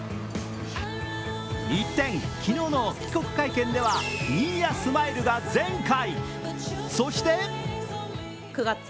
一転、昨日の帰国会見では新谷スマイルが全開。